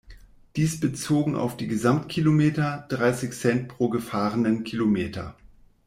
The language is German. Dies bezogen auf die Gesamtkilometer, dreißig Cent pro gefahrenen Kilometer.